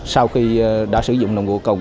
sau khi đã sử dụng nồng độ cầu